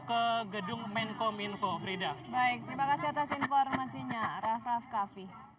ke gedung menko minfo frida baik terima kasih atas informasinya raffa coffee